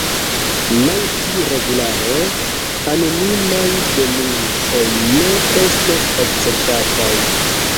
Laŭ tiu regularo, anonimaj denuncoj ne estas akceptataj.